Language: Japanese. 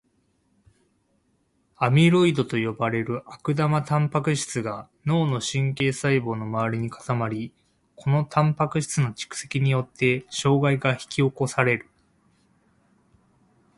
アミロイドと呼ばれる悪玉タンパク質が脳の神経細胞の周りに固まり、このタンパク質の蓄積によって障害が引き起こされる。